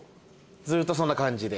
ずっとそんな感じで。